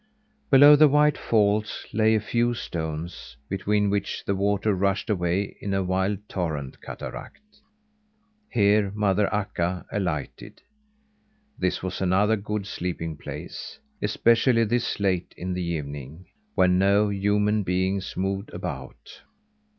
Below the white falls lay a few stones, between which the water rushed away in a wild torrent cataract. Here mother Akka alighted. This was another good sleeping place especially this late in the evening, when no human beings moved about.